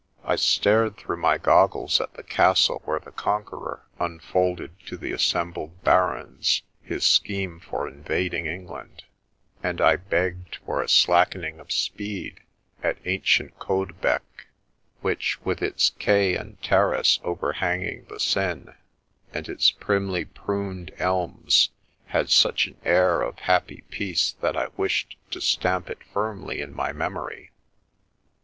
I stared through my goggles at the castle where the Conqueror im folded to the assembled barons his scheme for invad ing England; and I begged for a slackening of speed at ancient Caudebec, which, with its quay and ter race overhanging the Seine, and its primly pruned elms, had such an air of happy peace that I wished to stamp it firmly in my memory.